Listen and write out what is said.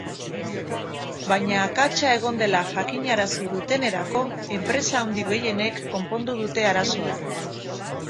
Baina akatsa egon dela jakinarazi dutenerako, enpresa handi gehienek konpondu dute arazoa.